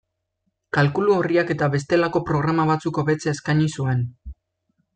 Kalkulu orriak eta bestelako programa batzuk hobetzea eskaini zuen.